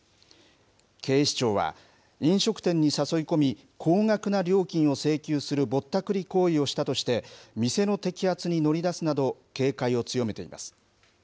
警視庁は飲食店に誘い込み、高額な料金を請求するぼったくり行為をしたとして、店の摘発に乗り出すなど、警戒を強めています。